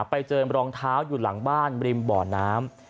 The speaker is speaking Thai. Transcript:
ไปเจอรองเท้าอยู่หลังบ้านริมบ่อน้ำ